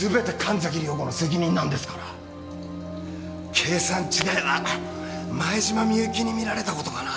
計算違いは前島美雪に見られた事かな。